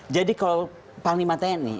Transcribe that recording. jadi kalau paling matanya nih